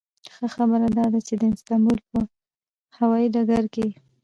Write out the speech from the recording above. ښه خبره داده چې د استانبول په هوایي ډګر کې.